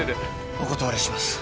お断りします。